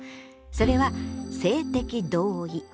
それは「性的同意」。